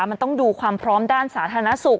มันต้องดูความพร้อมด้านสาธารณสุข